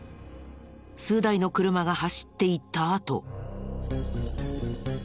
数台の車が走っていったあと。